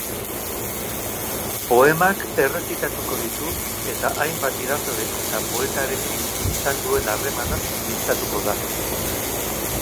Poemak errezitatuko ditu eta hainbat idazle eta poetarekin izan duen harremanaz mintzatuko da.